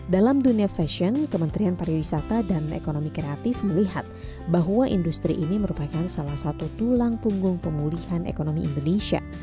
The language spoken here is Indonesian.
dalam dunia fashion kementerian pariwisata dan ekonomi kreatif melihat bahwa industri ini merupakan salah satu tulang punggung pemulihan ekonomi indonesia